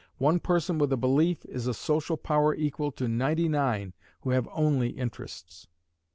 One person with a belief is a social power equal to ninety nine who have only interests.